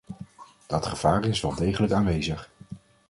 Dat gevaar is wel degelijk aanwezig.